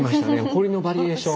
怒りのバリエーション。